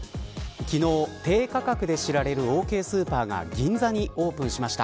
昨日、低価格で知られるＯＫスーパーが銀座にオープンしました。